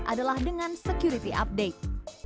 adalah dengan security update